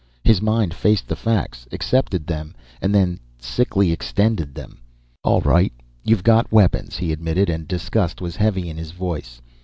His mind faced the facts, accepted them, and then sickly extended them. "All right, you've got weapons," he admitted, and disgust was heavy in his voice.